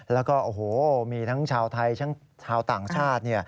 แล้วก็โอ้โหมีทั้งชาวไทยทั้งชาวต่างชาติ